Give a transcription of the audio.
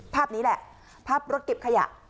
ภาพนี้แหละภาพรถเก็บขยะ